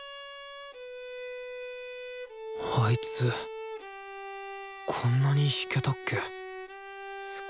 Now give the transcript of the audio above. あいつこんなに弾けたっけ？